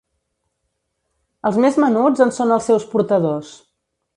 Els més menuts en són els seus portadors.